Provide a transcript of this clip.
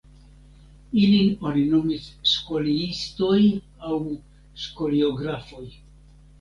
Ilin oni nomis "skoliistoj" aŭ "skoliografoj".